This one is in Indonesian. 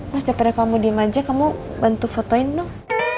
mas udah pada kamu diem aja kamu bantu fotoin dong